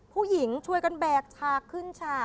ผู้หญิงช่วยกันแบกฉากขึ้นฉาก